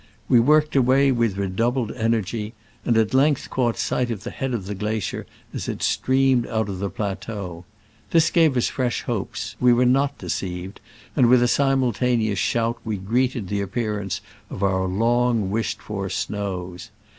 We worked away with redoubled energy, and at length caught sight of the head of the glacier as it streamed out of the plateau. This gave us fresh hopes : we were not deceived, and with a simultane ous shout we greeted the appearance of our long wished for snows.